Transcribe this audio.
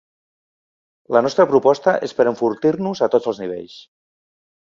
La nostra proposta és per enfortir-nos a tots els nivells.